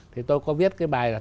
thì tôi có viết cái bài là